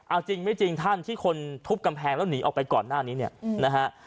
เอาจริงไม่จริงท่านที่คนทุบกำแพงแล้วหนีออกไปก่อนหน้านี้เนี่ยนะฮะ